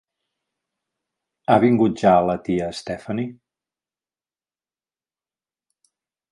Ha vingut ja la tia Stephanie?